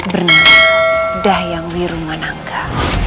bernama dahyang wirunganangga